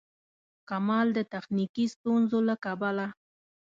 کمال د تخنیکي ستونزو له کبله.